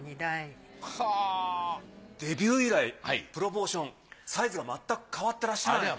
デビュー以来プロポーションサイズがまったく変わってらっしゃらない。